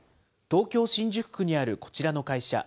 東京・新宿区にあるこちらの会社。